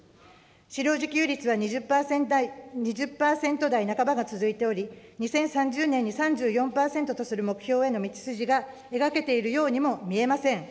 飼料自給率は２０％台半ばが続いており、２０３０年に３４％とする目標への道筋が描けているようにも見えません。